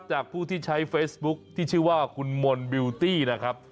จากผู้ที่ใช้เฟซบุ๊คที่ชื่อว่าคุณมนต์บิวตี้นะครับ